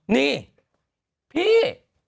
นี่พี่